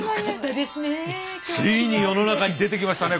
ついに世の中に出てきましたね